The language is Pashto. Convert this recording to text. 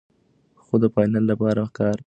خو د فاینل لپاره کار مهم دی.